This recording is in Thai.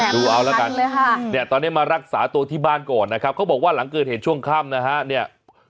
ดูเอาละกันเนี่ยตอนนี้มารักษาตัวที่บ้านก่อนนะครับเขาบอกว่าหลังเกิดเหตุช่วงค่ำนะฮะเนี่ย